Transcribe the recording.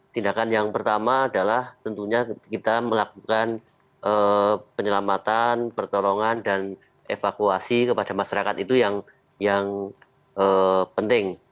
tindakan yang pertama adalah tentunya kita melakukan penyelamatan pertolongan dan evakuasi kepada masyarakat itu yang penting